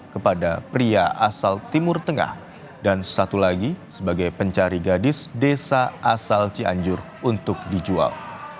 kepada pria asal timur tengah dan satu lagi sebagai pencari gadis desa asal cianjur untuk dijual